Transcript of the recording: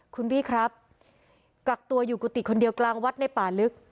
คุณบี้ครับกักตัวอยู่กุฏิคนเดียวกลางวัดในป่าลึก